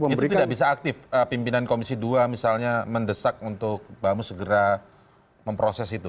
itu tidak bisa aktif pimpinan komisi dua misalnya mendesak untuk bamus segera memproses itu